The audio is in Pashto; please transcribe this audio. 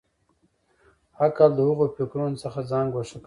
عقل د هغو فکرونو څخه ځان ګوښه کوي.